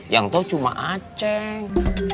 yang tahu cuma aceng